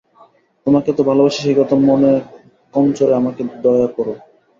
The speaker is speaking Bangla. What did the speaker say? তোমাকে এত ভালোবাসি সেই কথা মনে কঞ্চরে আমাকে দয়া কোরো।